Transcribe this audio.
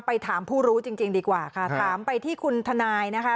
ถามผู้รู้จริงดีกว่าค่ะถามไปที่คุณทนายนะคะ